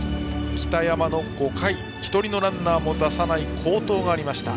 北山が５回まで１人のランナーも出さない好投がありました。